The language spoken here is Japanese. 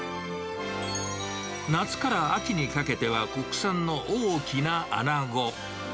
夏から秋にかけては、国産の大きなアナゴ。